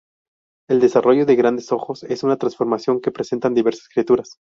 El desarrollo de grandes ojos es una transformación que presentan diversas criaturas.